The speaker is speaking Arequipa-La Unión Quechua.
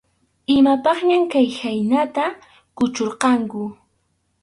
Imapaqñam khaynata kuchurqanku.